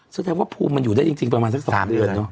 แสดงว่าภูมิมันอยู่ได้จริงประมาณสัก๒เดือนเนอะ